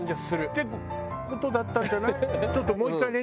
って事だったんじゃない？